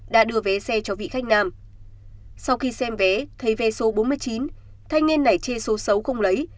đã đưa vé xe cho vị khách nam sau khi xem vé thấy vé số bốn mươi chín thanh niên nảy chê số xấu không lấy